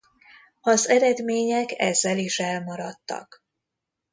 Az eredmények ezzel is elmaradtak.